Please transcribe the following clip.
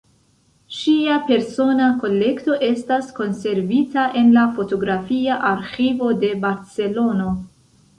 Ŝia persona kolekto estas konservita en la Fotografia Arĥivo de Barcelono.